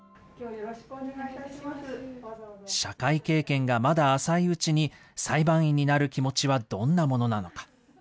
社会経験がまだ浅いうちに裁判員になる気持ちはどんなものなのか。